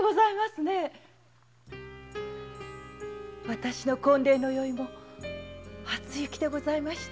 私の婚礼の夜も初雪でございました。